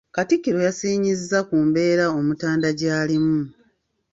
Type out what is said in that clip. Katikkiro yasiinyizza ku mbeera y'Omutanda gy'alimu.